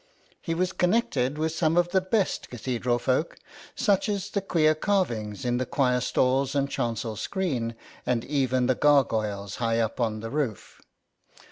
He was connected with some of the best cathedral folk, such as the queer carvings in the choir stalls and chancel screen, and even the gargoyles high up on the roof.